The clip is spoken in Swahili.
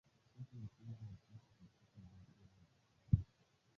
Siku ya kwanza ya kesi katika mahakama ya kijeshi huko Ituri iliwatambua washtakiwa